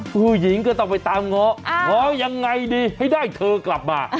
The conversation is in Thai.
ผู้หญิงก็ต้องไปตามง้อง้อยังไงดีให้ได้เธอกลับมา